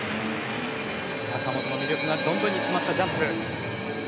坂本の魅力が存分に詰まったジャンプ。